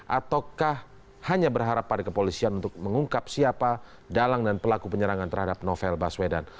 ataukah hanya berharap pada kepolisian untuk mengungkap siapa dalang dan pelaku penyerangan terhadap novel baswedan